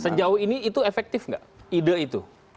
sejauh ini itu efektif nggak ide itu